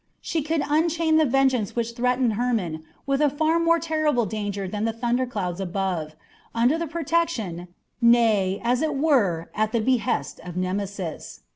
She could unchain the vengeance which threatened Hermon with a far more terrible danger than the thunder clouds above, under the protection nay, as it were at the behest of Nemesis.